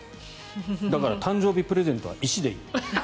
だから誕生プレゼントは石でいい。